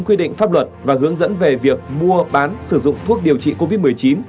quy định pháp luật và hướng dẫn về việc mua bán sử dụng thuốc điều trị covid một mươi chín